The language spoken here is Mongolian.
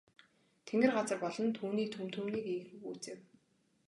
Тэнгэр газар болон түүний түг түмнийг ийнхүү гүйцээв.